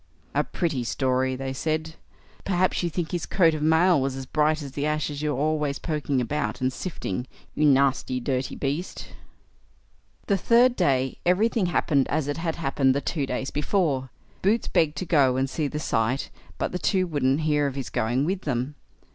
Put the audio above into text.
"A pretty story", they said. "Perhaps you think his coat of mail was as bright as the ashes you are always poking about, and sifting, you nasty dirty beast." The third day everything happened as it had happened the two days before. Boots begged to go and see the sight, but the two wouldn't hear of his going with them.